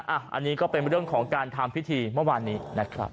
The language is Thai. อันนี้ก็เป็นเรื่องของการทำพิธีเมื่อวานนี้นะครับ